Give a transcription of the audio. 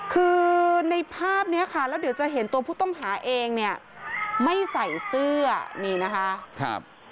คือในภาพเนี้ยค่ะแล้วเดี๋ยวจะเห็นตัวผู้ต้องหาเองเนี่ยไม่ใส่เสื้อนี่นะคะครับ